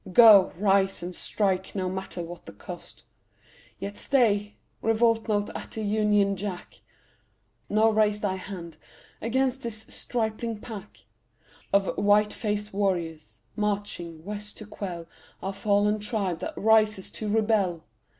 Go; rise and strike, no matter what the cost. Yet stay. Revolt not at the Union Jack, Nor raise Thy hand against this stripling pack Of white faced warriors, marching West to quell Our fallen tribe that rises to rebel.